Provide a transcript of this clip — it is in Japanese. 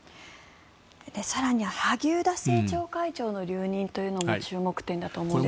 更に萩生田政調会長の留任というのも注目点だと思うんですが。